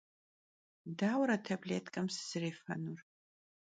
Dauere tablêtkem sızerêfenur?